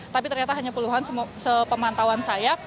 tapi ternyata hanya puluhan sepemantauan saya